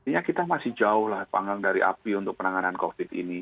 ya kita masih jauh lah panggang dari api untuk penanganan covid ini